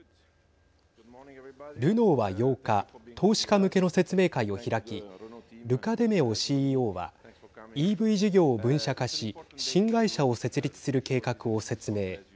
ルノーは８日投資家向けの説明会を開きルカ・デメオＣＥＯはＥＶ事業を分社化し新会社を設立する計画を説明。